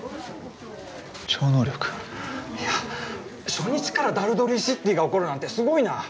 いや初日からダルドリー・シッディが起こるなんてすごいな！